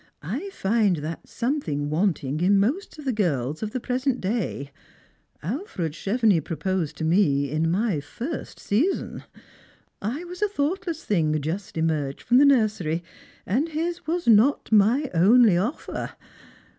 " I find that something wanting in most of the girls of the present day. Alfred Chevenix proposed to me in my first season. I was a thoughtless thing just emerged from the nursery, and his was not my only olfer.